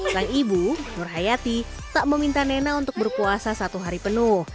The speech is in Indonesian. sang ibu nur hayati tak meminta nena untuk berpuasa satu hari penuh